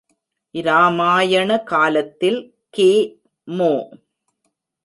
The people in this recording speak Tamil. இராமாயண காலத்தில் கி.மு.